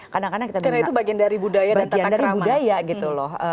karena itu bagian dari budaya dan tatak ramah